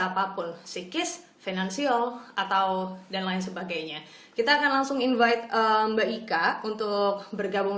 apapun psikis finansial atau dan lain sebagainya kita akan langsung invite mbak ika untuk bergabung